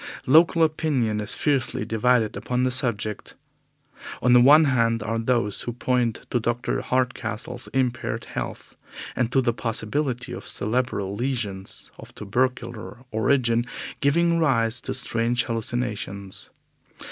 Local opinion is fiercely divided upon the subject. On the one hand are those who point to Dr. Hardcastle's impaired health, and to the possibility of cerebral lesions of tubercular origin giving rise to strange hallucinations.